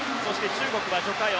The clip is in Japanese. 中国がジョ・カヨ。